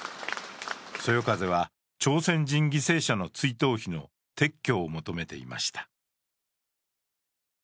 そよ風は朝鮮人犠牲者の慰霊碑の撤去を求めていました。